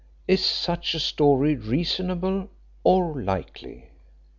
Is such a story reasonable or likely?